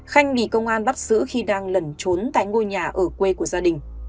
khanh bị công an bắt giữ khi đang lẩn trốn tại ngôi nhà ở quê của gia đình